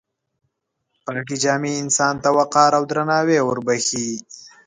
پاکې جامې انسان ته وقار او درناوی وربښي.